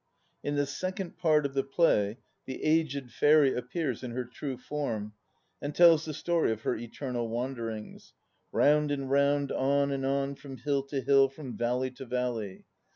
In the second part of the play the aged fairy appears in her true form and tells the story of her eternal wanderings "round and round, on and on, from hill to hill, from valley to valley."